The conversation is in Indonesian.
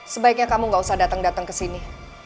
sebaiknya kamu gausah dateng dateng kesini